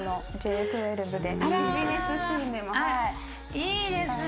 いいですね。